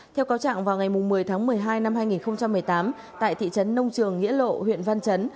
theo cáo trạng vào ngày một mươi tháng một mươi hai năm hai nghìn một mươi tám tại thị trấn nông trường nghĩa lộ huyện văn chấn